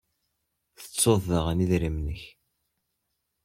Tettud daɣen idrimen-nnek?